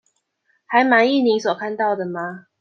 還滿意你所看到的嗎？